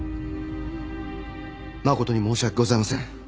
誠に申し訳ございません。